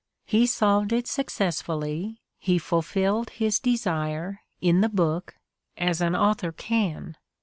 He solved it successfully, he fulfilled his desire, in the book, as an author can.